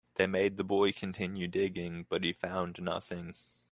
They made the boy continue digging, but he found nothing.